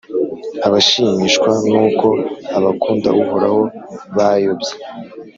Abashimishwa n’uko abakunda Uhoraho bayobye,